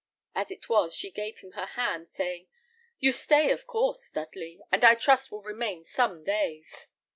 As it was, she gave him her hand, saying, "You stay, of course, Dudley, and I trust will remain some days."